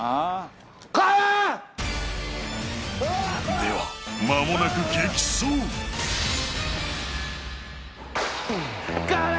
では間もなく激走辛え！